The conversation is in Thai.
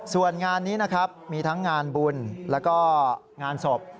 ส่วนงานนี้นะครับมีทั้งงานบุญแล้วก็งานศพ